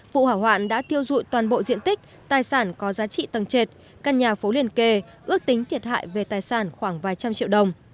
vụ hỏa hoạn đã thiêu dụi toàn bộ diện tích tài sản có giá trị tầng trệt căn nhà phố liền kề ước tính thiệt hại về tài sản khoảng vài trăm triệu đồng